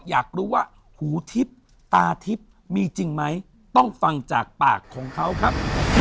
อยากรู้ว่าหูทิพย์ตาทิพย์มีจริงไหมต้องฟังจากปากของเขาครับ